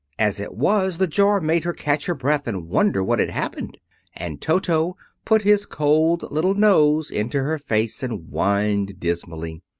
As it was, the jar made her catch her breath and wonder what had happened; and Toto put his cold little nose into her face and whined dismally.